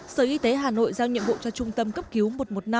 sở y tế hà nội giao nhiệm vụ cho trung tâm cấp cứu một trăm một mươi năm